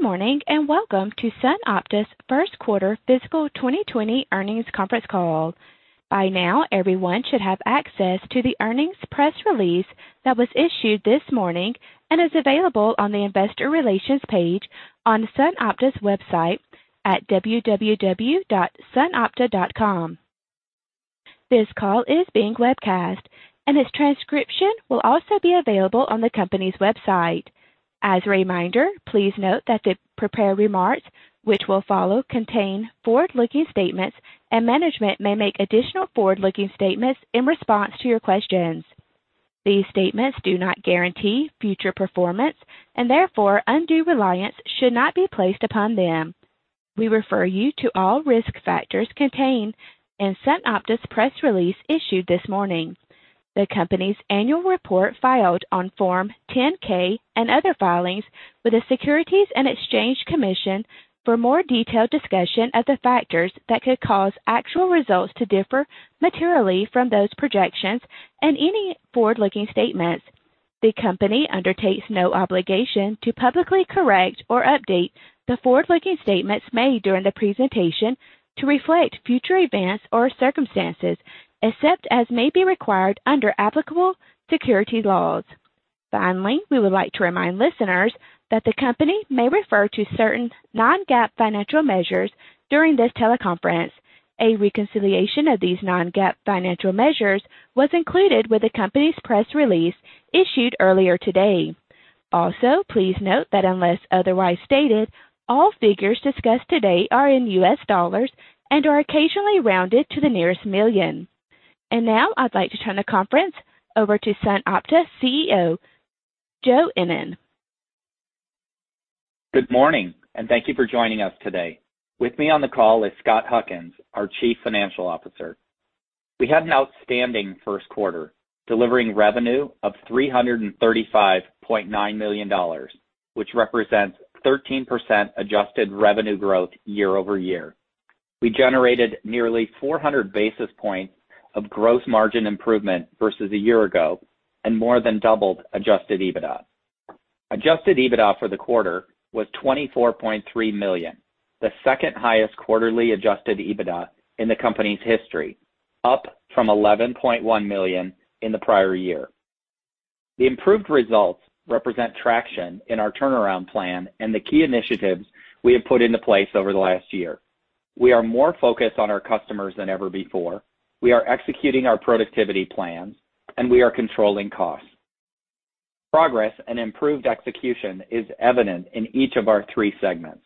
Good morning, and welcome to SunOpta's First Quarter Fiscal 2020 Earnings Conference Call. By now, everyone should have access to the earnings press release that was issued this morning and is available on the investor relations page on SunOpta's website at www.sunopta.com. This call is being webcast, and its transcription will also be available on the company's website. As a reminder, please note that the prepared remarks which will follow contain forward-looking statements. Management may make additional forward-looking statements in response to your questions. These statements do not guarantee future performance. Therefore, undue reliance should not be placed upon them. We refer you to all risk factors contained in SunOpta's press release issued this morning. The company's annual report filed on Form 10-K and other filings with the Securities and Exchange Commission for more detailed discussion of the factors that could cause actual results to differ materially from those projections and any forward-looking statements. The company undertakes no obligation to publicly correct or update the forward-looking statements made during the presentation to reflect future events or circumstances, except as may be required under applicable securities laws. Finally, we would like to remind listeners that the company may refer to certain non-GAAP financial measures during this teleconference. A reconciliation of these non-GAAP financial measures was included with the company's press release issued earlier today. Also, please note that unless otherwise stated, all figures discussed today are in U.S. dollars and are occasionally rounded to the nearest million. Now I'd like to turn the conference over to SunOpta CEO Joe Ennen. Good morning, and thank you for joining us today. With me on the call is Scott Huckins, our Chief Financial Officer. We had an outstanding first quarter, delivering revenue of $335.9 million, which represents 13% adjusted revenue growth year-over-year. We generated nearly 400 basis points of gross margin improvement versus a year ago and more than doubled adjusted EBITDA. Adjusted EBITDA for the quarter was $24.3 million, the second highest quarterly adjusted EBITDA in the company's history, up from $11.1 million in the prior year. The improved results represent traction in our turnaround plan and the key initiatives we have put into place over the last year. We are more focused on our customers than ever before. We are executing our productivity plans, and we are controlling costs. Progress and improved execution is evident in each of our three segments.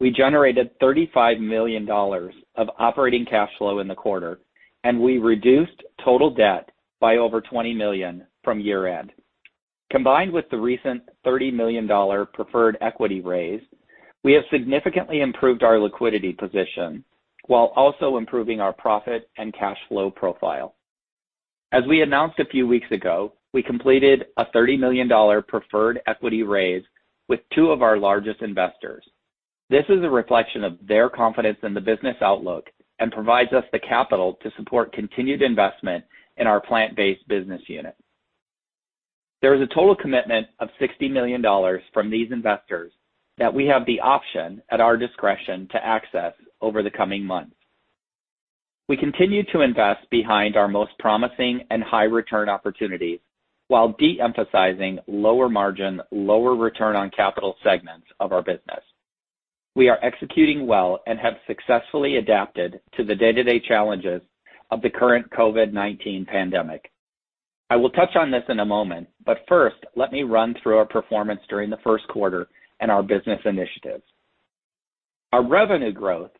We generated $35 million of operating cash flow in the quarter, and we reduced total debt by over $20 million from year end. Combined with the recent $30 million preferred equity raise, we have significantly improved our liquidity position while also improving our profit and cash flow profile. As we announced a few weeks ago, we completed a $30 million preferred equity raise with two of our largest investors. This is a reflection of their confidence in the business outlook and provides us the capital to support continued investment in our plant-based business unit. There is a total commitment of $60 million from these investors that we have the option at our discretion to access over the coming months. We continue to invest behind our most promising and high return opportunities while de-emphasizing lower margin, lower return on capital segments of our business. We are executing well and have successfully adapted to the day-to-day challenges of the current COVID-19 pandemic. I will touch on this in a moment, but first, let me run through our performance during the first quarter and our business initiatives. Our revenue growth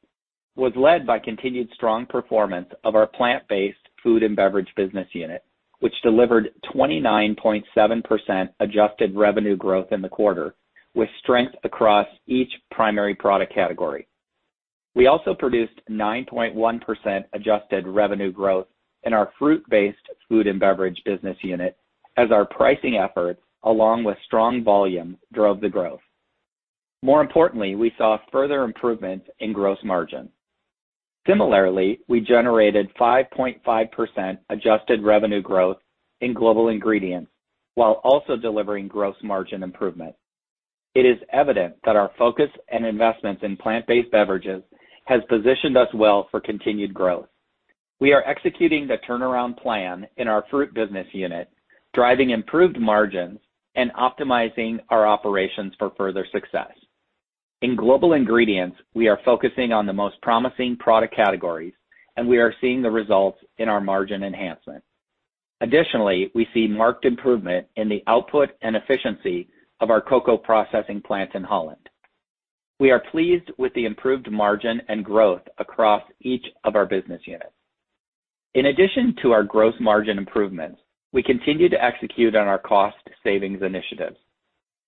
was led by continued strong performance of our plant-based food and beverage business unit, which delivered 29.7% adjusted revenue growth in the quarter with strength across each primary product category. We also produced 9.1% adjusted revenue growth in our fruit-based food and beverage business unit as our pricing efforts, along with strong volumes, drove the growth. More importantly, we saw further improvements in gross margin. Similarly, we generated 5.5% adjusted revenue growth in global ingredients while also delivering gross margin improvement. It is evident that our focus and investments in plant-based beverages has positioned us well for continued growth. We are executing the turnaround plan in our fruit business unit, driving improved margins and optimizing our operations for further success. In global ingredients, we are focusing on the most promising product categories, we are seeing the results in our margin enhancement. Additionally, we see marked improvement in the output and efficiency of our cocoa processing plant in Holland. We are pleased with the improved margin and growth across each of our business units. In addition to our gross margin improvements, we continue to execute on our cost savings initiatives.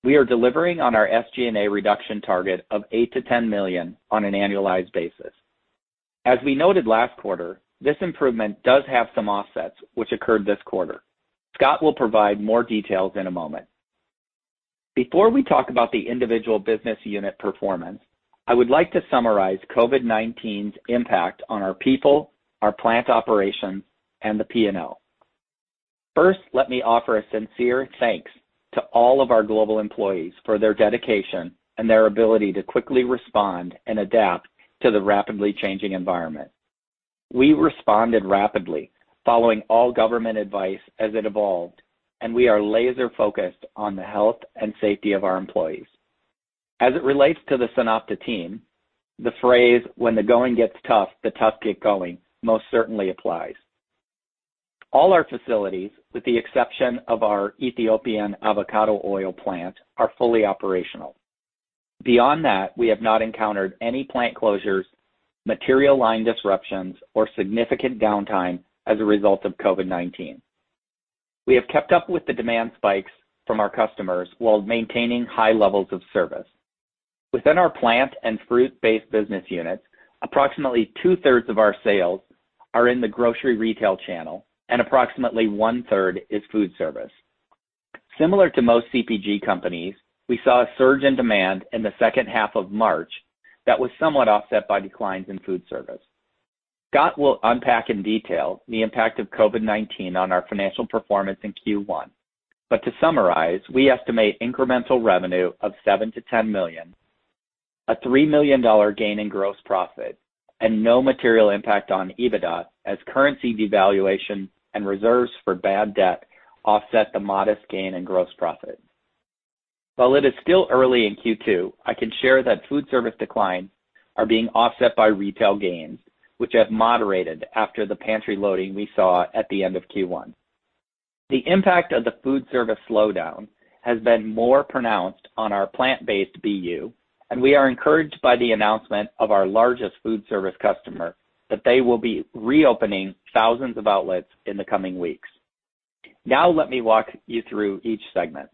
We are delivering on our SG&A reduction target of $8 million-$10 million on an annualized basis. As we noted last quarter, this improvement does have some offsets which occurred this quarter. Scott will provide more details in a moment. Before we talk about the individual business unit performance, I would like to summarize COVID-19's impact on our people, our plant operations, and the P&L. First, let me offer a sincere thanks to all of our global employees for their dedication and their ability to quickly respond and adapt to the rapidly changing environment. We responded rapidly, following all government advice as it evolved, and we are laser-focused on the health and safety of our employees. As it relates to the SunOpta team, the phrase, "When the going gets tough, the tough get going," most certainly applies. All our facilities, with the exception of our Ethiopian avocado oil plant, are fully operational. Beyond that, we have not encountered any plant closures, material line disruptions, or significant downtime as a result of COVID-19. We have kept up with the demand spikes from our customers while maintaining high levels of service. Within our plant and fruit-based business units, approximately 2/3 of our sales are in the grocery retail channel and approximately 1/3 is food service. Similar to most CPG companies, we saw a surge in demand in the second half of March that was somewhat offset by declines in food service. Scott will unpack in detail the impact of COVID-19 on our financial performance in Q1. To summarize, we estimate incremental revenue of $7 million-$10 million, a $3 million gain in gross profit, and no material impact on EBITDA as currency devaluation and reserves for bad debt offset the modest gain in gross profit. While it is still early in Q2, I can share that food service declines are being offset by retail gains, which have moderated after the pantry loading we saw at the end of Q1. The impact of the food service slowdown has been more pronounced on our plant-based BU, and we are encouraged by the announcement of our largest food service customer that they will be reopening thousands of outlets in the coming weeks. Let me walk you through each segment.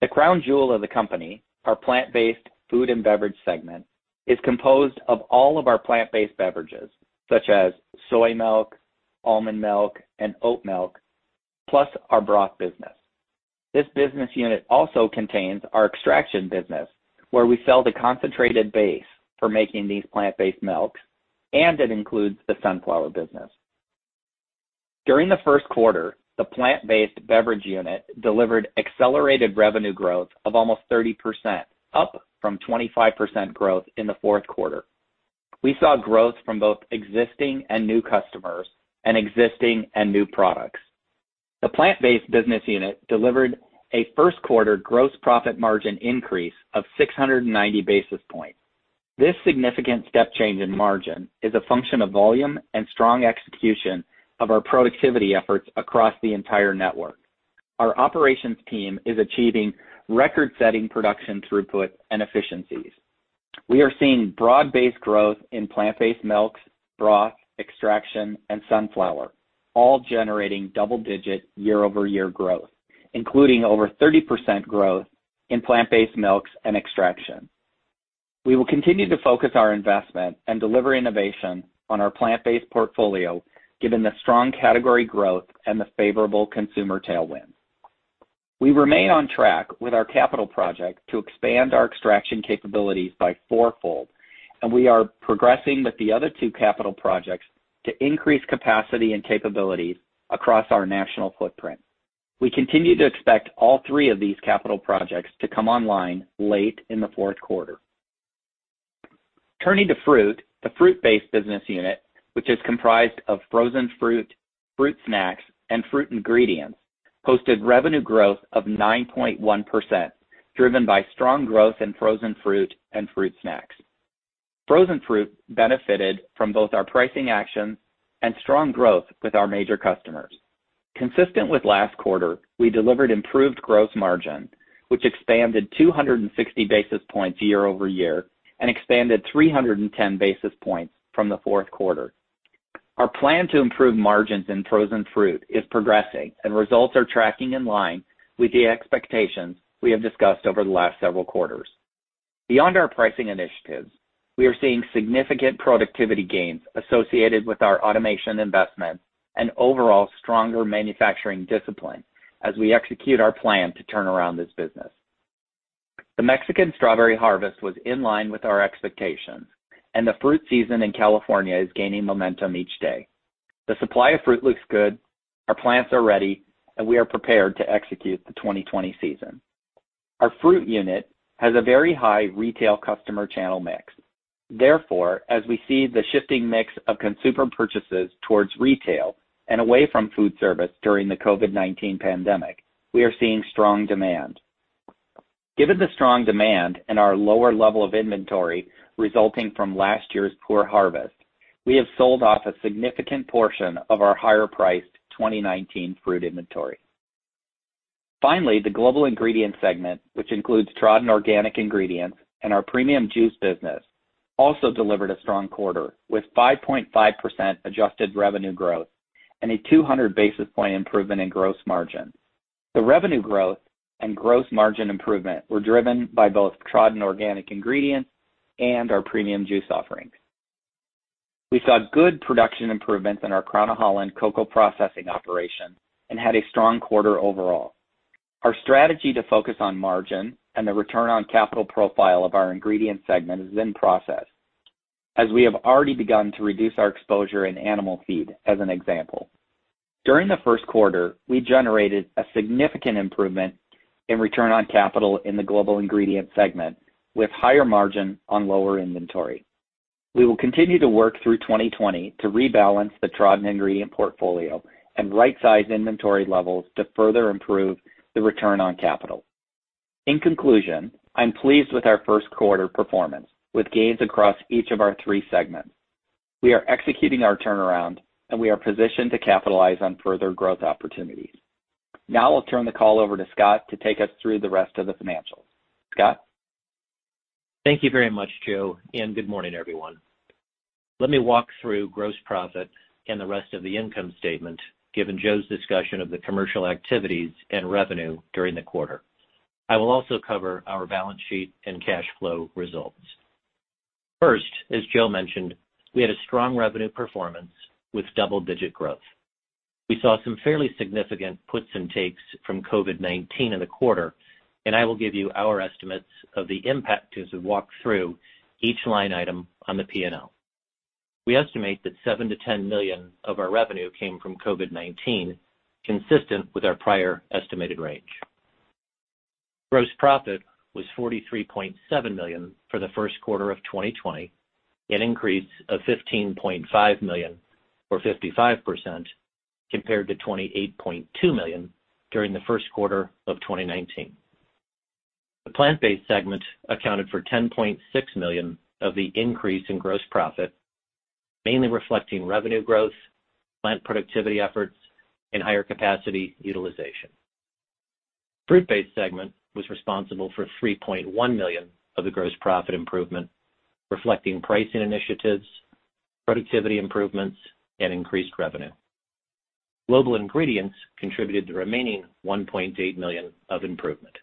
The crown jewel of the company, our plant-based food and beverage segment, is composed of all of our plant-based beverages, such as soy milk, almond milk, and oat milk, plus our broth business. This business unit also contains our extraction business, where we sell the concentrated base for making these plant-based milks, and it includes the sunflower business. During the first quarter, the plant-based beverage unit delivered accelerated revenue growth of almost 30%, up from 25% growth in the fourth quarter. We saw growth from both existing and new customers and existing and new products. The plant-based business unit delivered a first quarter gross profit margin increase of 690 basis points. This significant step change in margin is a function of volume and strong execution of our productivity efforts across the entire network. Our operations team is achieving record-setting production throughput and efficiencies. We are seeing broad-based growth in plant-based milks, broth, extraction, and sunflower, all generating double-digit year-over-year growth, including over 30% growth in plant-based milks and extraction. We will continue to focus our investment and deliver innovation on our plant-based portfolio, given the strong category growth and the favorable consumer tailwind. We remain on track with our capital project to expand our extraction capabilities by fourfold, and we are progressing with the other two capital projects to increase capacity and capabilities across our national footprint. We continue to expect all three of these capital projects to come online late in the fourth quarter. Turning to fruit, the fruit-based business unit, which is comprised of frozen fruit snacks, and fruit ingredients, posted revenue growth of 9.1%, driven by strong growth in frozen fruit and fruit snacks. frozen fruit benefited from both our pricing actions and strong growth with our major customers. Consistent with last quarter, we delivered improved gross margin, which expanded 260 basis points year-over-year and expanded 310 basis points from the fourth quarter. Our plan to improve margins in frozen fruit is progressing, and results are tracking in line with the expectations we have discussed over the last several quarters. Beyond our pricing initiatives, we are seeing significant productivity gains associated with our automation investments and overall stronger manufacturing discipline as we execute our plan to turn around this business. The Mexican strawberry harvest was in line with our expectations, and the fruit season in California is gaining momentum each day. The supply of fruit looks good, our plants are ready, and we are prepared to execute the 2020 season. Our fruit unit has a very high retail customer channel mix. Therefore, as we see the shifting mix of consumer purchases towards retail and away from food service during the COVID-19 pandemic, we are seeing strong demand. Given the strong demand and our lower level of inventory resulting from last year's poor harvest, we have sold off a significant portion of our higher-priced 2019 fruit inventory. Finally, the global ingredient segment, which includes Tradin Organic ingredients and our premium juice business, also delivered a strong quarter, with 5.5% adjusted revenue growth and a 200 basis point improvement in gross margin. The revenue growth and gross margin improvement were driven by both Tradin Organic ingredients and our premium juice offerings. We saw good production improvements in our Crown of Holland cocoa processing operation and had a strong quarter overall. Our strategy to focus on margin and the return on capital profile of our ingredient segment is in process. As we have already begun to reduce our exposure in animal feed, as an example. During the first quarter, we generated a significant improvement in return on capital in the global ingredient segment with higher margin on lower inventory. We will continue to work through 2020 to rebalance the Tradin ingredient portfolio and right-size inventory levels to further improve the return on capital. In conclusion, I'm pleased with our first quarter performance, with gains across each of our three segments. We are executing our turnaround, and we are positioned to capitalize on further growth opportunities. Now I'll turn the call over to Scott to take us through the rest of the financials. Scott? Thank you very much, Joe, and good morning, everyone. Let me walk through gross profit and the rest of the income statement, given Joe's discussion of the commercial activities and revenue during the quarter. I will also cover our balance sheet and cash flow results. First, as Joe mentioned, we had a strong revenue performance with double-digit growth. We saw some fairly significant puts and takes from COVID-19 in the quarter, and I will give you our estimates of the impact as we walk through each line item on the P&L. We estimate that seven to 10 million of our revenue came from COVID-19, consistent with our prior estimated range. Gross profit was $43.7 million for the first quarter of 2020, an increase of $15.5 million, or 55%, compared to $28.2 million during the first quarter of 2019. The plant-based segment accounted for $10.6 million of the increase in gross profit, mainly reflecting revenue growth, plant productivity efforts, and higher capacity utilization. Fruit-based segment was responsible for $3.1 million of the gross profit improvement, reflecting pricing initiatives, productivity improvements, and increased revenue. Global ingredients contributed the remaining $1.8 million of improvement.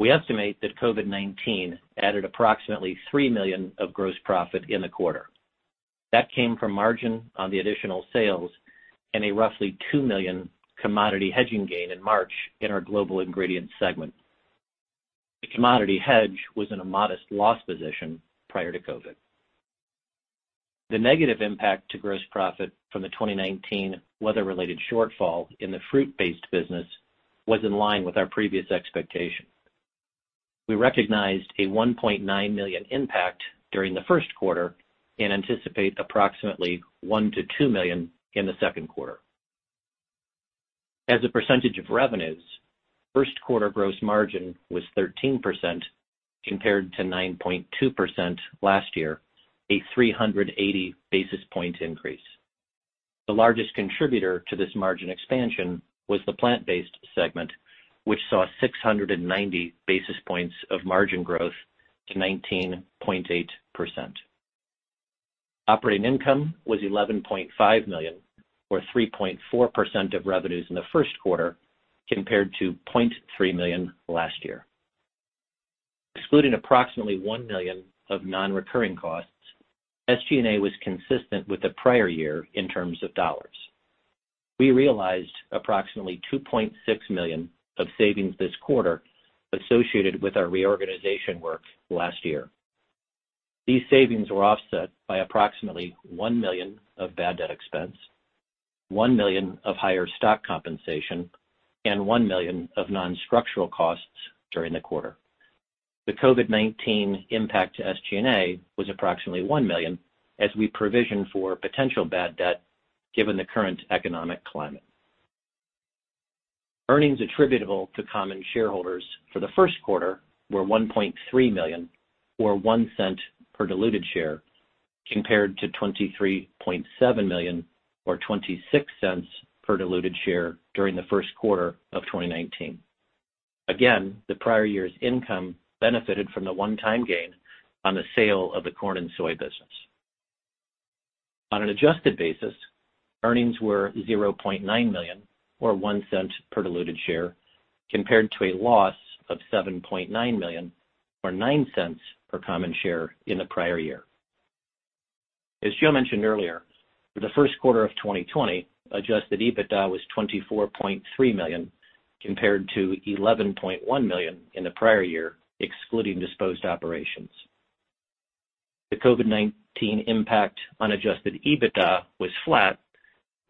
We estimate that COVID-19 added approximately $3 million of gross profit in the quarter. That came from margin on the additional sales and a roughly $2 million commodity hedging gain in March in our Global ingredients segment. The commodity hedge was in a modest loss position prior to COVID. The negative impact to gross profit from the 2019 weather-related shortfall in the fruit-based business was in line with our previous expectation. We recognized a $1.9 million impact during the first quarter and anticipate approximately $1 million-$2 million in the second quarter. As a percentage of revenues, first quarter gross margin was 13% compared to 9.2% last year, a 380 basis point increase. The largest contributor to this margin expansion was the plant-based segment, which saw 690 basis points of margin growth to 19.8%. Operating income was $11.5 million, or 3.4% of revenues in the first quarter, compared to $0.3 million last year. Excluding approximately $1 million of non-recurring costs, SG&A was consistent with the prior year in terms of dollars. We realized approximately $2.6 million of savings this quarter associated with our reorganization work last year. These savings were offset by approximately $1 million of bad debt expense, $1 million of higher stock compensation, and $1 million of non-structural costs during the quarter. The COVID-19 impact to SG&A was approximately $1 million as we provisioned for potential bad debt given the current economic climate. Earnings attributable to common shareholders for the first quarter were $1.3 million, or $0.01 per diluted share, compared to $23.7 million, or $0.26 per diluted share during the first quarter of 2019. The prior year's income benefited from the one-time gain on the sale of the corn and soy business. On an adjusted basis, earnings were $0.9 million, or $0.01 per diluted share, compared to a loss of $7.9 million, or $0.09 per common share in the prior year. As Joe mentioned earlier, for the first quarter of 2020, adjusted EBITDA was $24.3 million, compared to $11.1 million in the prior year, excluding disposed operations. The COVID-19 impact on adjusted EBITDA was flat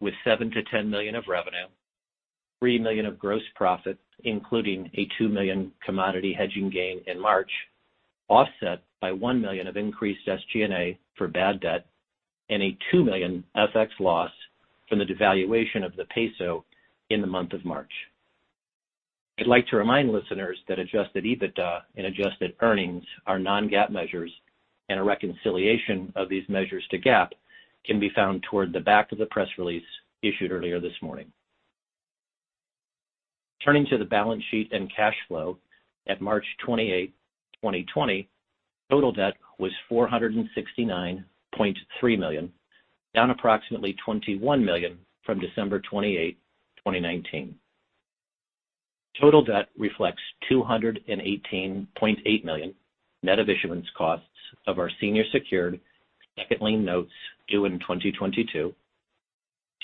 with $7 million-$10 million of revenue, $3 million of gross profit, including a $2 million commodity hedging gain in March, offset by $1 million of increased SG&A for bad debt and a $2 million FX loss from the devaluation of the peso in the month of March. I'd like to remind listeners that adjusted EBITDA and adjusted earnings are non-GAAP measures and a reconciliation of these measures to GAAP can be found toward the back of the press release issued earlier this morning. Turning to the balance sheet and cash flow at March 28, 2020, total debt was $469.3 million, down approximately $21 million from December 28, 2019. Total debt reflects $218.8 million, net of issuance costs of our senior secured second lien notes due in 2022,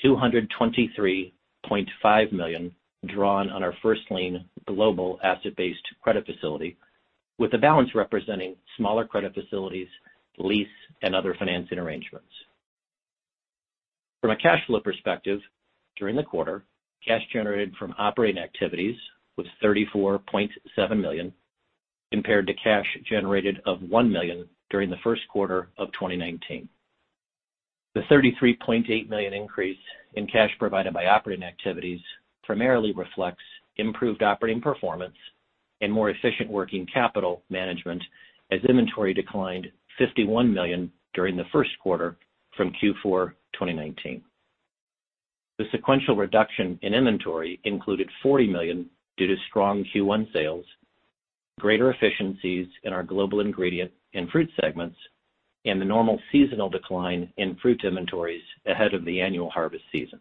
$223.5 million drawn on our first-lien global asset-based credit facility, with the balance representing smaller credit facilities, lease, and other financing arrangements. From a cash flow perspective, during the quarter, cash generated from operating activities was $34.7 million, compared to cash generated of $1 million during the first quarter of 2019. The $33.8 million increase in cash provided by operating activities primarily reflects improved operating performance and more efficient working capital management, as inventory declined $51 million during the first quarter from Q4 2019. The sequential reduction in inventory included $40 million due to strong Q1 sales, greater efficiencies in our global ingredient and fruit segments, and the normal seasonal decline in fruit inventories ahead of the annual harvest season.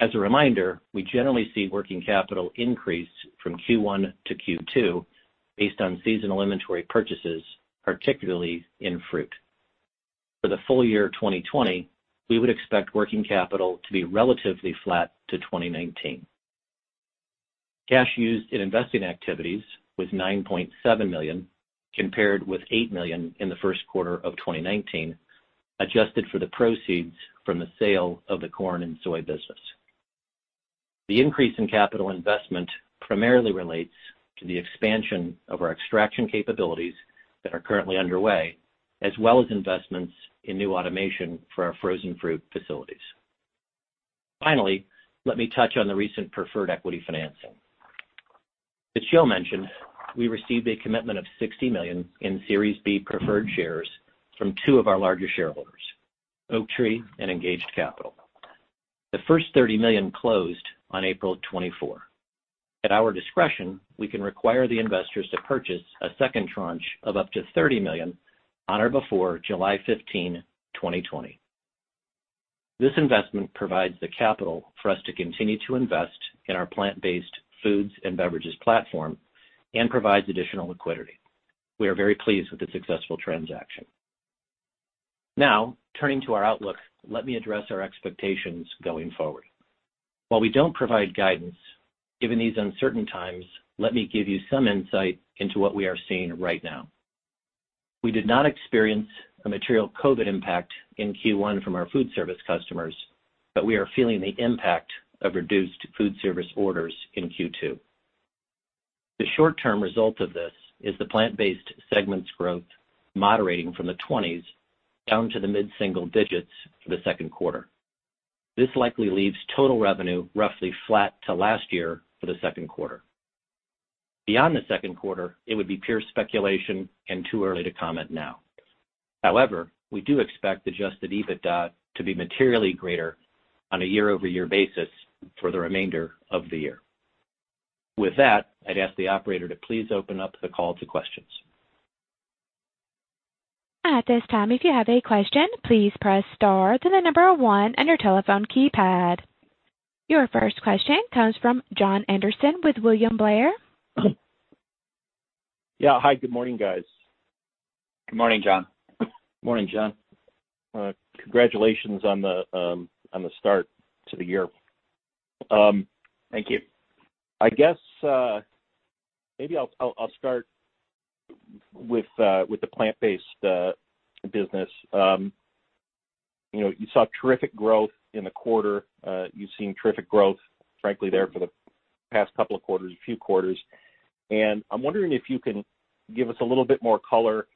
As a reminder, we generally see working capital increase from Q1 to Q2 based on seasonal inventory purchases, particularly in fruit. For the full year 2020, we would expect working capital to be relatively flat to 2019. Cash used in investing activities was $9.7 million, compared with $8 million in the first quarter of 2019, adjusted for the proceeds from the sale of the corn and soy business. The increase in capital investment primarily relates to the expansion of our extraction capabilities that are currently underway, as well as investments in new automation for our frozen fruit facilities. Finally, let me touch on the recent preferred equity financing. As Joe mentioned, we received a commitment of $60 million in Series B preferred shares from two of our larger shareholders, Oaktree and Engaged Capital. The first $30 million closed on April 24. At our discretion, we can require the investors to purchase a second tranche of up to $30 million on or before July 15, 2020. This investment provides the capital for us to continue to invest in our plant-based foods and beverages platform and provides additional liquidity. We are very pleased with the successful transaction. Now, turning to our outlook, let me address our expectations going forward. While we don't provide guidance, given these uncertain times, let me give you some insight into what we are seeing right now. We did not experience a material COVID-19 impact in Q1 from our food service customers, but we are feeling the impact of reduced food service orders in Q2. The short-term result of this is the plant-based segment's growth moderating from the 20s down to the mid-single digits for the second quarter. This likely leaves total revenue roughly flat to last year for the second quarter. Beyond the second quarter, it would be pure speculation and too early to comment now. However, we do expect adjusted EBITDA to be materially greater on a year-over-year basis for the remainder of the year. With that, I'd ask the operator to please open up the call to questions. At this time, if you have a question, please press star to the number one on your telephone keypad. Your first question comes from Jon Andersen with William Blair. Yeah. Hi, good morning, guys. Good morning, Jon. Morning, Jon. Congratulations on the start to the year. Thank you. I guess maybe I'll start with the plant-based business. You saw terrific growth in the quarter. You've seen terrific growth, frankly, there for the past couple of quarters, few quarters. I'm wondering if you can give us a little bit more color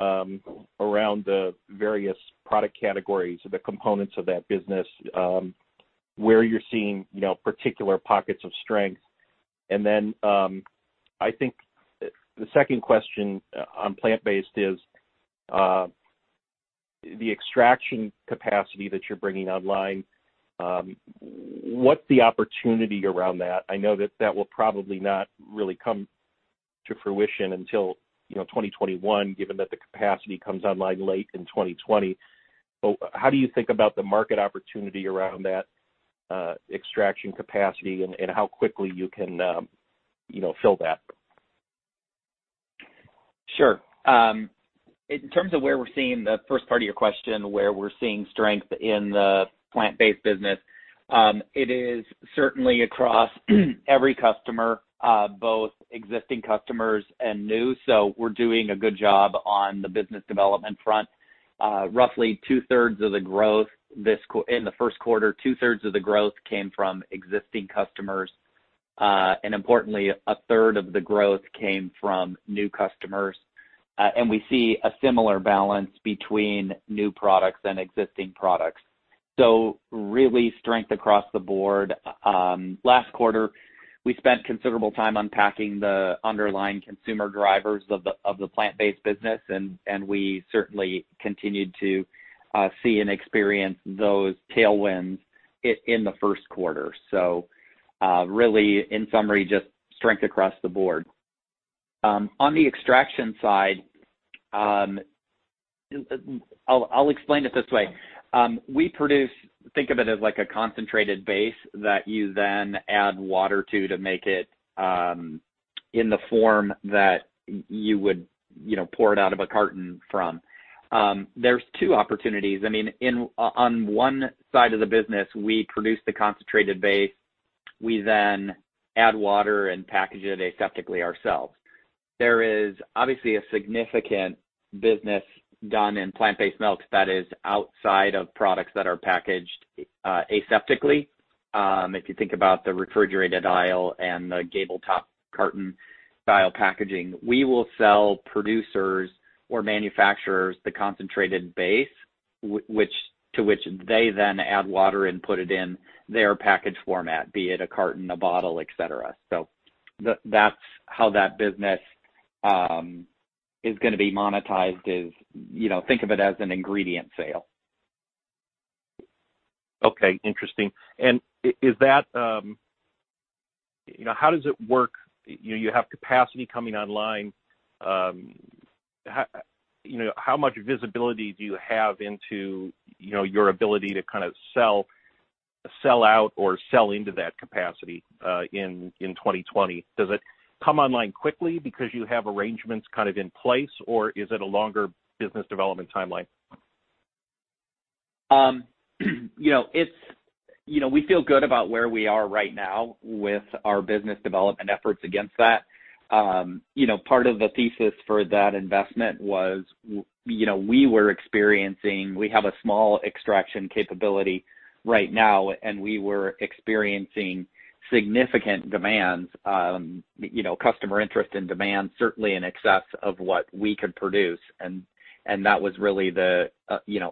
around the various product categories or the components of that business, where you're seeing particular pockets of strength. I think the second question on plant-based is the extraction capacity that you're bringing online. What's the opportunity around that? I know that that will probably not really come to fruition until 2021, given that the capacity comes online late in 2020. How do you think about the market opportunity around that extraction capacity and how quickly you can fill that? Sure. In terms of where we're seeing the first part of your question, where we're seeing strength in the plant-based business, it is certainly across every customer, both existing customers and new. We're doing a good job on the business development front. Roughly 2/3 of the growth in the first quarter, 2/3 of the growth came from existing customers. Importantly, a 1/3 of the growth came from new customers. We see a similar balance between new products and existing products. Really strength across the board. Last quarter, we spent considerable time unpacking the underlying consumer drivers of the plant-based business, and we certainly continued to see and experience those tailwinds in the first quarter. Really, in summary, just strength across the board. On the extraction side, I'll explain it this way. We produce, think of it as like a concentrated base that you then add water to make it in the form that you would pour it out of a carton from. There's two opportunities. On one side of the business, we produce the concentrated base. We add water and package it aseptically ourselves. There is obviously a significant business done in plant-based milks that is outside of products that are packaged aseptically. If you think about the refrigerated aisle and the gable top carton style packaging. We will sell producers or manufacturers the concentrated base to which they add water and put it in their package format, be it a carton, a bottle, et cetera. That's how that business is going to be monetized is, think of it as an ingredient sale. Okay, interesting. How does it work? You have capacity coming online. How much visibility do you have into your ability to kind of sell out or sell into that capacity in 2020? Does it come online quickly because you have arrangements kind of in place, or is it a longer business development timeline? We feel good about where we are right now with our business development efforts against that. Part of the thesis for that investment was we have a small extraction capability right now, and we were experiencing significant demands, customer interest and demand, certainly in excess of what we could produce. That was really the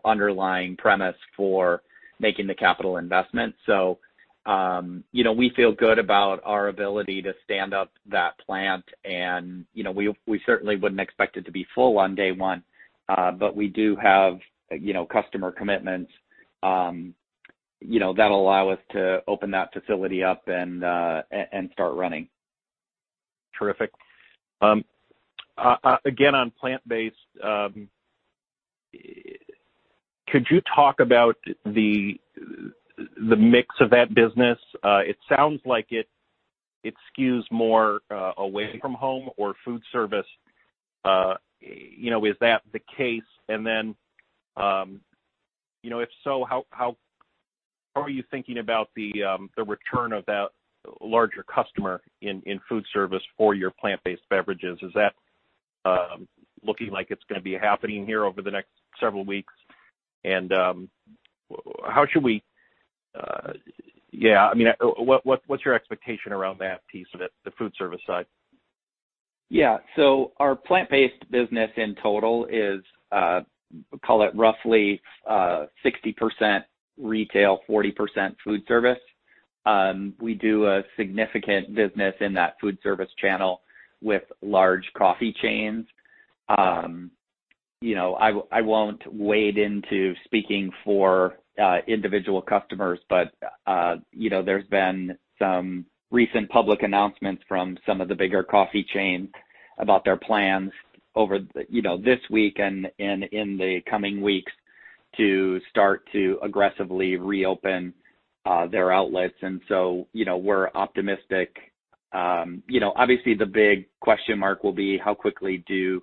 underlying premise for making the capital investment. We feel good about our ability to stand up that plant and we certainly wouldn't expect it to be full on day one. We do have customer commitments that'll allow us to open that facility up and start running. On plant-based, could you talk about the mix of that business? It sounds like it skews more away from home or food service. Is that the case? If so, how are you thinking about the return of that larger customer in food service for your plant-based beverages? Is that looking like it's going to be happening here over the next several weeks? What's your expectation around that piece of it, the food service side? Yeah. Our plant-based business in total is, call it roughly 60% retail, 40% food service. We do a significant business in that food service channel with large coffee chains. I won't wade into speaking for individual customers, but there's been some recent public announcements from some of the bigger coffee chains about their plans this week and in the coming weeks to start to aggressively reopen their outlets. We're optimistic. Obviously, the big question mark will be how quickly do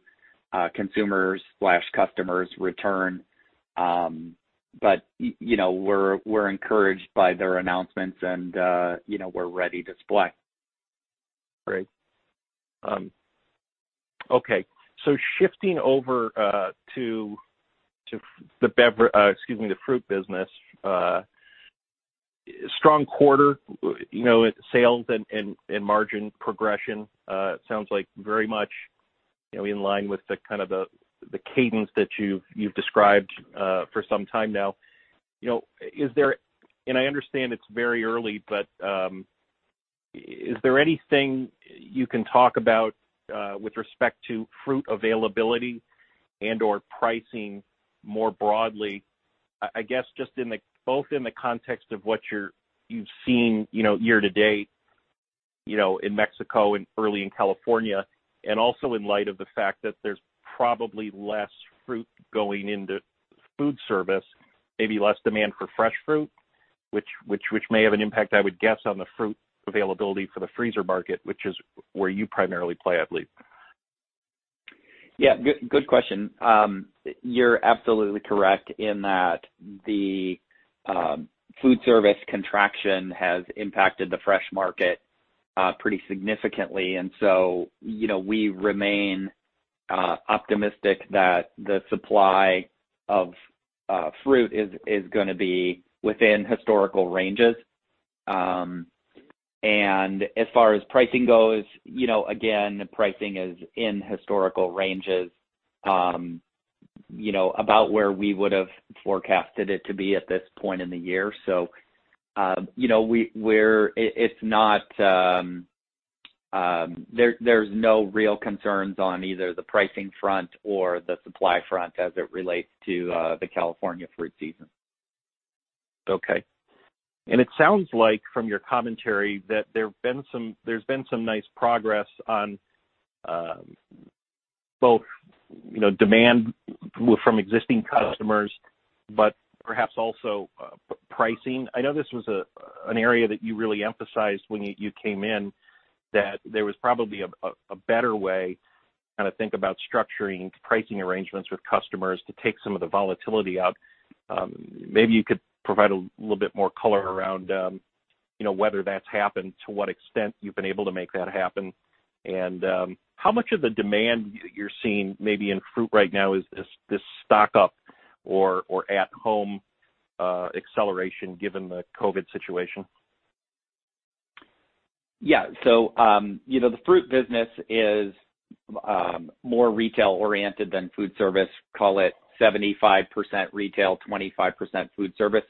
consumers/customers return. We're encouraged by their announcements and we're ready to play. Great. Okay. Shifting over to the fruit business. Strong quarter sales and margin progression. Sounds like very much in line with the kind of the cadence that you've described for some time now. I understand it's very early, but is there anything you can talk about with respect to fruit availability and/or pricing more broadly? I guess just both in the context of what you've seen year to date in Mexico and early in California, and also in light of the fact that there's probably less fruit going into food service, maybe less demand for fresh fruit, which may have an impact, I would guess, on the fruit availability for the freezer market, which is where you primarily play, I believe. Yeah. Good question. You're absolutely correct in that the food service contraction has impacted the fresh market pretty significantly. We remain optimistic that the supply of fruit is going to be within historical ranges. As far as pricing goes, again, pricing is in historical ranges about where we would've forecasted it to be at this point in the year. There's no real concerns on either the pricing front or the supply front as it relates to the California fruit season. Okay. It sounds like from your commentary that there's been some nice progress. Well, demand from existing customers, but perhaps also pricing. I know this was an area that you really emphasized when you came in, that there was probably a better way, think about structuring pricing arrangements with customers to take some of the volatility out. Maybe you could provide a little bit more color around whether that's happened, to what extent you've been able to make that happen. How much of the demand you're seeing maybe in fruit right now is this stock-up or at-home acceleration given the COVID-19 situation? The fruit business is more retail-oriented than food service, call it 75% retail, 25% food service.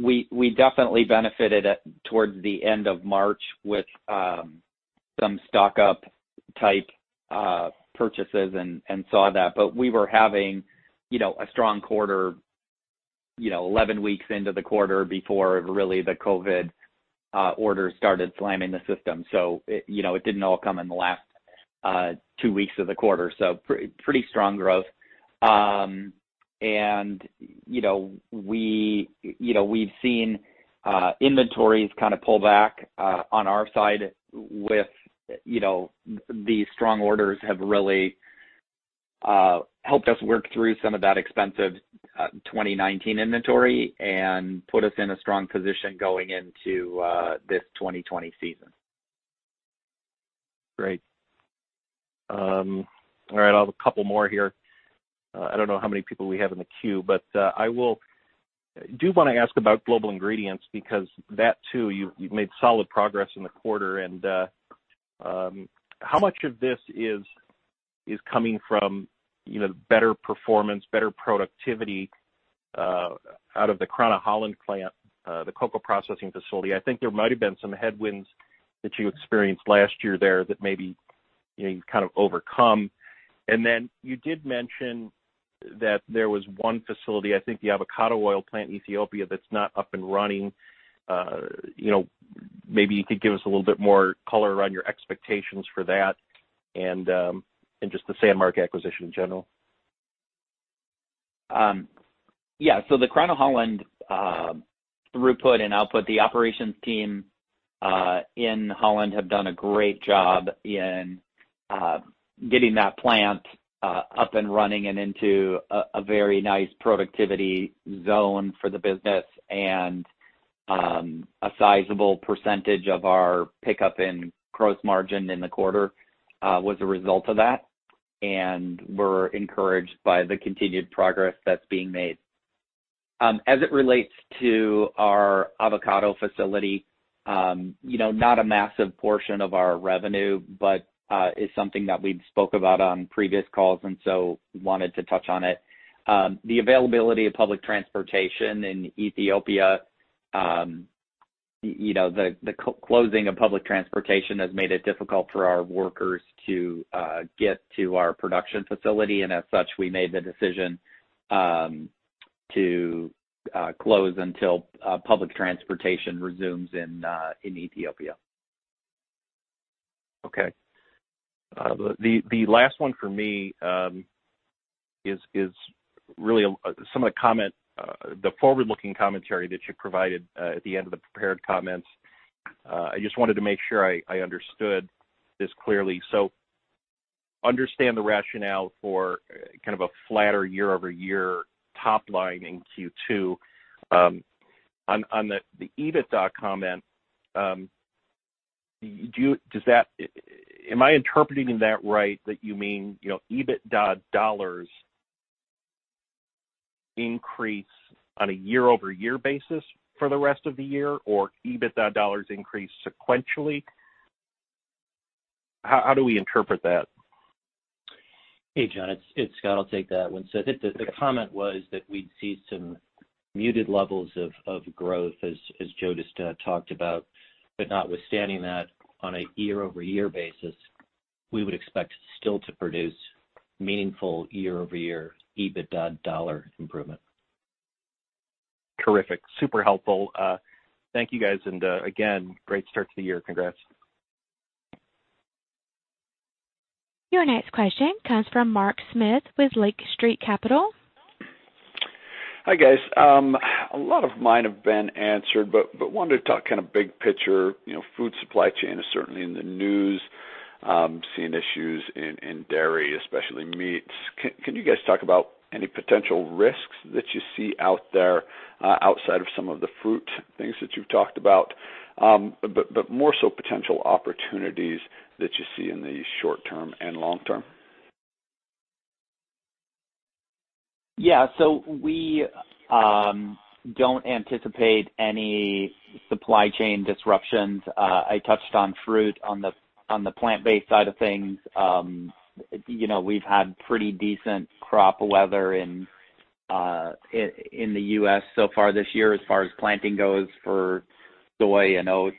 We definitely benefited towards the end of March with some stock-up type purchases and saw that. We were having a strong quarter 11 weeks into the quarter before really the COVID-19 orders started slamming the system. It didn't all come in the last two weeks of the quarter. Pretty strong growth. We've seen inventories kind of pull back on our side with these strong orders have really helped us work through some of that expensive 2019 inventory and put us in a strong position going into this 2020 season. Great. All right. I have a couple more here. I don't know how many people we have in the queue, but I do want to ask about global ingredients because that too, you've made solid progress in the quarter. How much of this is coming from better performance, better productivity out of the Crown of Holland plant, the cocoa processing facility? I think there might've been some headwinds that you experienced last year there that maybe you've kind of overcome. Then you did mention that there was one facility, I think the avocado oil plant in Ethiopia, that's not up and running. Maybe you could give us a little bit more color around your expectations for that and just the Sanmark acquisition in general. Yeah. The Crown of Holland throughput and output, the operations team in Holland have done a great job in getting that plant up and running and into a very nice productivity zone for the business. A sizable percentage of our pickup in gross margin in the quarter was a result of that, and we're encouraged by the continued progress that's being made. As it relates to our avocado facility, not a massive portion of our revenue, but is something that we'd spoke about on previous calls and wanted to touch on it. The availability of public transportation in Ethiopia, the closing of public transportation has made it difficult for our workers to get to our production facility, and as such, we made the decision to close until public transportation resumes in Ethiopia. Okay. The last one for me is really the forward-looking commentary that you provided at the end of the prepared comments. I just wanted to make sure I understood this clearly. Understand the rationale for kind of a flatter year-over-year top line in Q2. On the EBITDA comment, am I interpreting that right that you mean EBITDA dollars increase on a year-over-year basis for the rest of the year, or EBITDA dollars increase sequentially? How do we interpret that? Hey, Jon, it's Scott. I'll take that one. I think the comment was that we'd see some muted levels of growth as Joe just talked about. Notwithstanding that, on a year-over-year basis, we would expect still to produce meaningful year-over-year EBITDA dollar improvement. Terrific. Super helpful. Thank you, guys, and again, great start to the year. Congrats. Your next question comes from Mark Smith with Lake Street Capital. Hi, guys. A lot of mine have been answered, but wanted to talk kind of big picture. Food supply chain is certainly in the news. Seeing issues in dairy, especially meats. Can you guys talk about any potential risks that you see out there outside of some of the fruit things that you've talked about? More so potential opportunities that you see in the short term and long term. Yeah. We don't anticipate any supply chain disruptions. I touched on fruit on the plant-based side of things. We've had pretty decent crop weather in the U.S. so far this year as far as planting goes for soy and oats.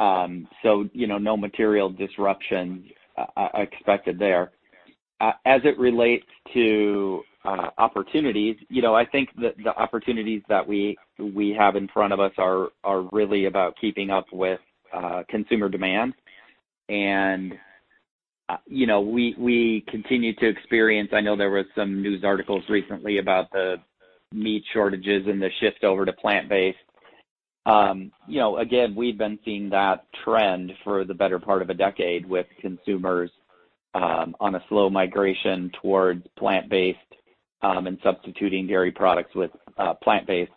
No material disruption expected there. As it relates to opportunities, I think that the opportunities that we have in front of us are really about keeping up with consumer demand. We continue to experience, I know there were some news articles recently about the meat shortages and the shift over to plant-based. Again, we've been seeing that trend for the better part of a decade, with consumers on a slow migration towards plant-based and substituting dairy products with plant-based.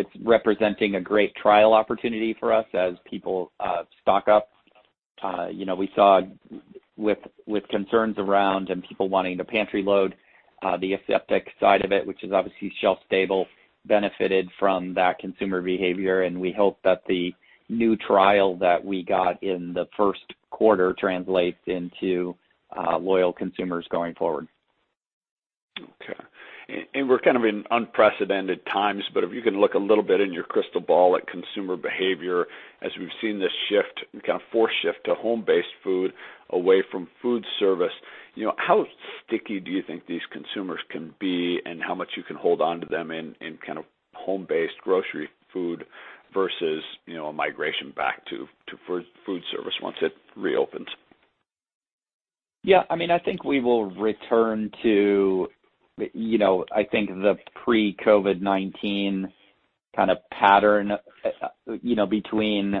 It's representing a great trial opportunity for us as people stock up. We saw with concerns around and people wanting to pantry load, the aseptic side of it, which is obviously shelf-stable, benefited from that consumer behavior. We hope that the new trial that we got in the first quarter translates into loyal consumers going forward. Okay. We're kind of in unprecedented times, but if you can look a little bit in your crystal ball at consumer behavior as we've seen this shift, kind of forced shift, to home-based food away from food service. How sticky do you think these consumers can be, and how much you can hold onto them in home-based grocery food versus a migration back to food service once it reopens? Yeah, I think we will return to the pre-COVID-19 pattern between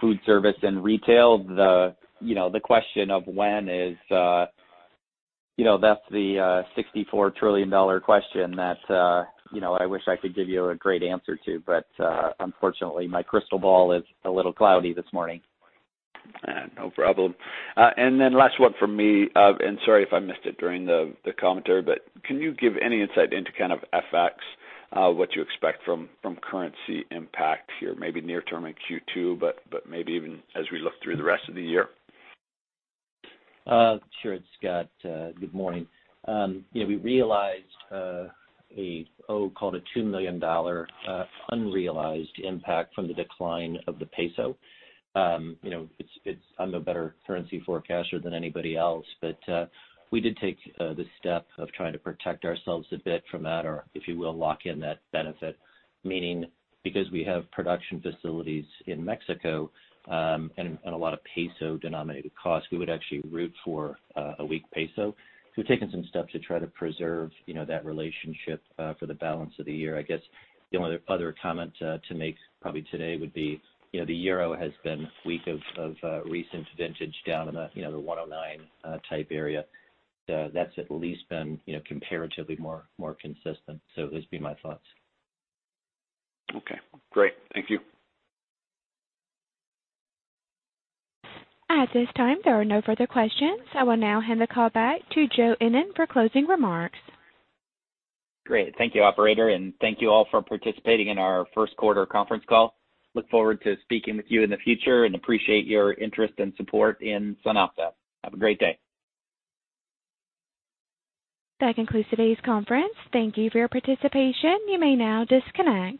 food service and retail. The question of when is the $64 trillion question that I wish I could give you a great answer to. Unfortunately, my crystal ball is a little cloudy this morning. No problem. Last one from me, and sorry if I missed it during the commentary, but can you give any insight into kind of FX, what you expect from currency impact here, maybe near term in Q2, but maybe even as we look through the rest of the year? Sure, Scott. Good morning. We realized a, call it a $2 million unrealized impact from the decline of the peso. I'm no better currency forecaster than anybody else, but we did take the step of trying to protect ourselves a bit from that, or, if you will, lock in that benefit. Meaning, because we have production facilities in Mexico and a lot of peso-denominated costs, we would actually root for a weak peso. We've taken some steps to try to preserve that relationship for the balance of the year. I guess the only other comment to make probably today would be the euro has been weak of recent vintage, down in the 109 type area. That's at least been comparatively more consistent. Those would be my thoughts. Okay, great. Thank you. At this time, there are no further questions. I will now hand the call back to Joe Ennen for closing remarks. Great. Thank you, operator, and thank you all for participating in our first quarter conference call. We look forward to speaking with you in the future and appreciate your interest and support in SunOpta. Have a great day. That concludes today's conference. Thank you for your participation. You may now disconnect.